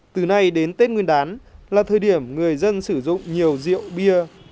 từ nay đến tết nguyên đán là thời điểm người dân sử dụng nhiều rượu bia